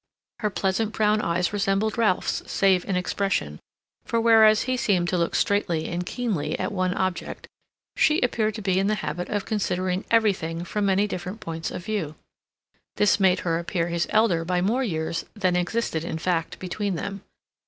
Her pleasant brown eyes resembled Ralph's, save in expression, for whereas he seemed to look straightly and keenly at one object, she appeared to be in the habit of considering everything from many different points of view. This made her appear his elder by more years than existed in fact between them.